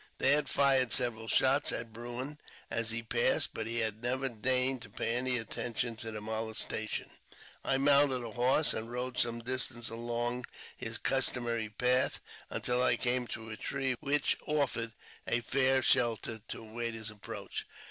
They had fired several shots at Bruin as he passed, but he had never deigned to pay any attention to the molestation. I mounted a horse, and rode some distance along his customary path, until I came to a tree which offered a fair shelter to await his approach.